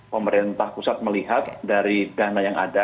pemerintah pusat melihat dari dana yang ada